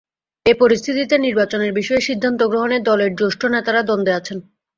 এ পরিস্থিতিতে নির্বাচনের বিষয়ে সিদ্ধান্ত গ্রহণে দলের জ্যেষ্ঠ নেতারা দ্বন্দ্বে আছেন।